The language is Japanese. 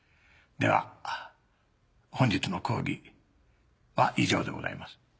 では本日の講義は以上でございます。